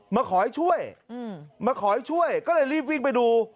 มาขอให้ช่วยมาขอให้ช่วยก็เลยรีบวิ่งไปดู